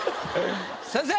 先生。